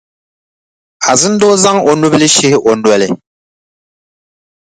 Azindoo zaŋ o nubila shihi o noli.